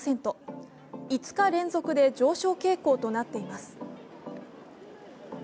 ５日連続で上昇傾向となっています